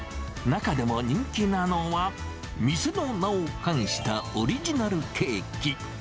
中でも人気なのは、店の名を冠したオリジナルケーキ。